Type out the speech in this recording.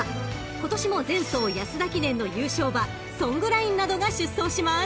［今年も前走安田記念の優勝馬ソングラインなどが出走します］